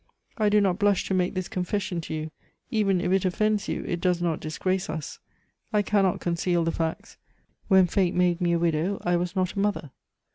I do not blush to make this confession to you; even if it offends you, it does not disgrace us. I cannot conceal the facts. When fate made me a widow, I was not a mother."